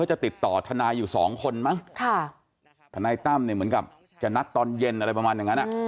อาจารย์ปรเมษนี่เหมือนกับจะนัดตอนเย็นอะไรประมาณอย่างนั้น